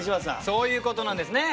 そういう事なんですね。